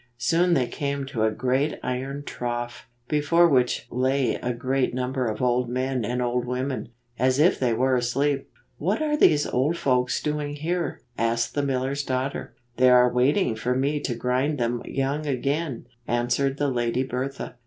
Soon they came to a great iron trough, before which lay a great number of old men and old women, as if they were asleep. "What are these old folks doing here?" asked the miller's daughter. "They are % waiting for me to grind them young again," answered the Lady Bertha.